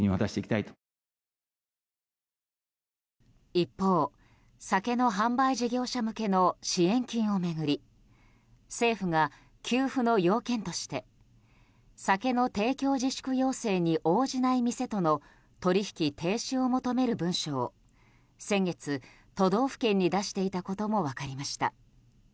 一方、酒の販売事業者向けの支援金を巡り政府が給付の要件として酒の提供自粛要請に応じない店との取引停止を求める文書を先月、都道府県に出していたことも分かりました。